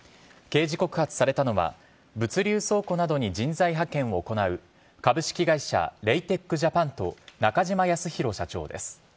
刑事告発されたのは、物流倉庫などに人材派遣を行う、株式会社レイテック・ジャパンと中嶋やすひろ社長です。